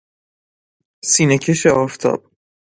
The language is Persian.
سینه کش آفتاب